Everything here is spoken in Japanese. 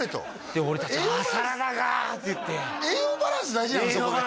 で俺達「サラダか！」って言って栄養バランス大事なんだ